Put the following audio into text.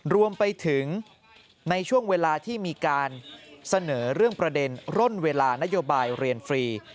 รวมไปถึงในช่วงเวลาที่มีการเสนอเรื่องประเด็นร่นเวลานโยบายเรียนฟรี